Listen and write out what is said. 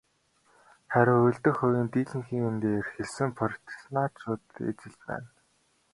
Харин үлдэх хувийн дийлэнхийг нь дээр хэлсэн протестантчууд эзэлж байна.